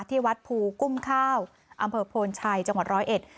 ที่วัดภูกุ้มข้าวอำเภอโพนชัยจังหวัดร้อยเอ็ด